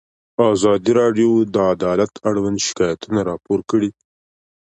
ازادي راډیو د عدالت اړوند شکایتونه راپور کړي.